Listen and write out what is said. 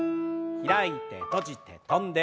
開いて閉じて跳んで。